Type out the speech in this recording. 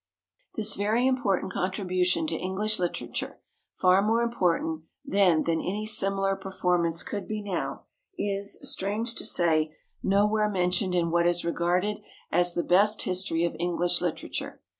This very important contribution to English literature far more important then than any similar performance could be now is, strange to say, nowhere mentioned in what is regarded as the best history of English literature.